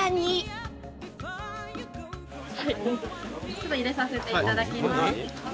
ちょっと入れさせていただきます。